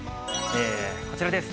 こちらです。